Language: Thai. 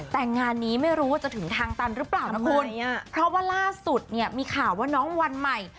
แต่งานนี้ไม่รู้ว่าจะถึงทางตันหรือเปล่านะคุณเพราะว่าล่าสุดเนี่ยมีข่าวว่าน้องวันใหม่